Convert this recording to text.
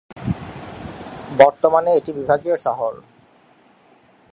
বর্তমানে এটি বিভাগীয় শহর।